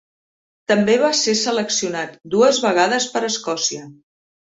També va ser seleccionat dues vegades per Escòcia.